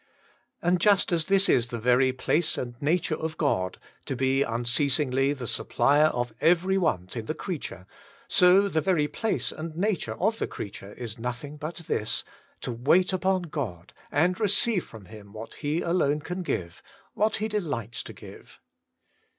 And just as this is the very place and nature of God, to be unceasingly the supplier of every want in the creature, so the very place and nature of the creature is nothing but this — to wait upon God and receive from Him what He alone can give, what He delights to give.